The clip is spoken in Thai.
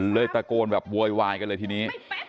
ตะโกนแบบโวยวายกันเลยทีนี้